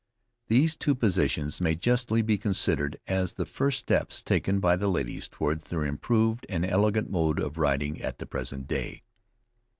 These two positions may justly be considered as the first steps taken by the ladies towards their improved and elegant mode of riding at the present day.